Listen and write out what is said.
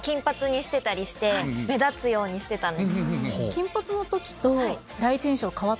金髪の時と。